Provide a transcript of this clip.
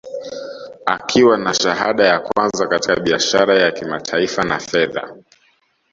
Akiwa na shahada ya kwanza katika biashara ya kimataifa na fedha